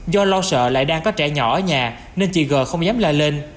do lo sợ lại đang có trẻ nhỏ ở nhà nên chị g không dám la lên